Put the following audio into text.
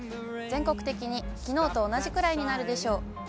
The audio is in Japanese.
全国的にきのうと同じくらいになるでしょう。